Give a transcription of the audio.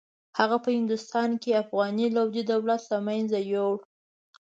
هغه په هندوستان کې افغاني لودي دولت له منځه یووړ.